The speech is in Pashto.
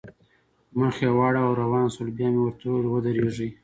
مخ یې واړاوه او روان شول، بیا مې ورته وویل: ودرېږئ.